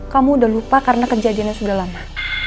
kamu udah lupa karena kejadiannya sudah lama